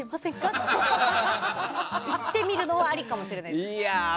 って言ってみるのはありかもしれませんね。